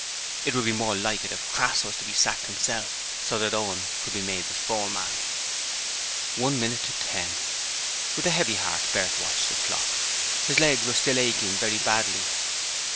It would be more like it if Crass was to be sacked himself, so that Owen could be the foreman. One minute to ten. With a heavy heart Bert watched the clock. His legs were still aching very badly.